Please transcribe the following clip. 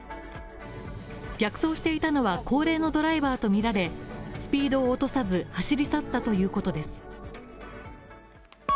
逆走していたのは高齢のドライバーとみられ、スピードを落とさず走り去ったということです。